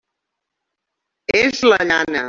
És la llana.